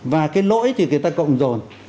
và cái lỗi thì người ta cộng dồn